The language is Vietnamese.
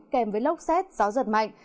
kèm với lốc xét gió giật mạnh